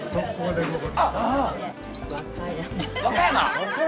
和歌山。